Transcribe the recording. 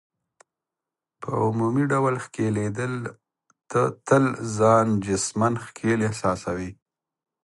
په عمومي ډول ښکیلېدل، ته تل ځان جسماً ښکېل احساسوې.